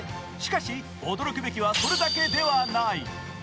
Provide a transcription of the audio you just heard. しかし、驚くべきはそれだけではない。